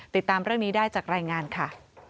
ติดตามเรื่องนี้ได้จากรายงานค่ะ